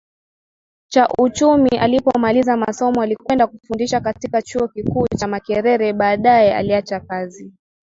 cha uchumi Alipomaliza masomo alikwenda kufundisha katika chuo kikuu cha Makerere Baadaye aliacha kazi